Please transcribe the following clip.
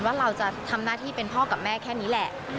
ว่าเราจะทำหน้าที่เป็นพ่อกับแม่แค่นี้แหละ